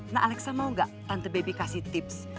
nah alexa mau gak tante baby kasih tips